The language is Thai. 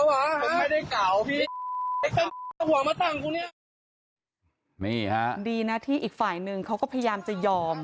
ว่าทั้งคู่เนี่ยนี่ฮะดีนะที่อีกฝ่ายนึงเขาก็พยายามจะยอม